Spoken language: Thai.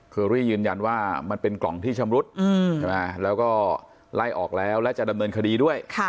อรี่ยืนยันว่ามันเป็นกล่องที่ชำรุดแล้วก็ไล่ออกแล้วและจะดำเนินคดีด้วย